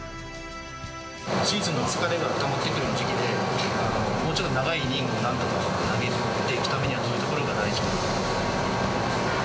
シーズンの疲れがたまってくる時期で、もちろん、長いイニングを何度か投げていくためにはどういうところが大事？